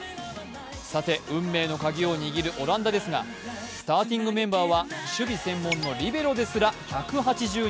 さて運命の鍵を握るオランダですがスターティングメンバーは守備専門のリベロですら１８２ｃｍ。